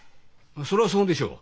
それはそうでしょう。